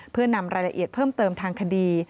เพื่อนำรายละเอียดเพิ่มเติมทางคดี